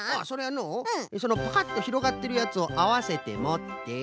それはのうそのパカッとひろがってるやつをあわせてもって。